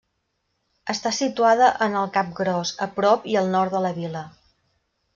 Està situada en el Cap Gros, a prop i al nord de la vila.